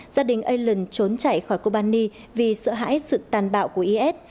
gia đình aylan trốn chạy khỏi kobani vì sợ hãi sự tàn bạo của is